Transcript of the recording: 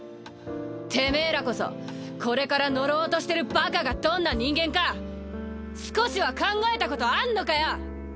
てめぇらこそこれから呪おうとしてるバカがどんな人間か少しは考えたことあんのかよ？